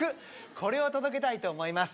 これを届けたいと思います。